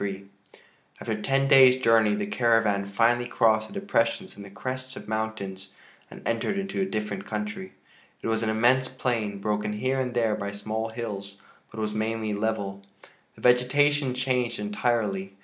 XXIII After ten days' journey the caravan finally crossed the depressions in the crests of mountains and entered into a different country. It was an immense plain, broken here and there by small hills, but was mainly level. The vegetation changed entirely.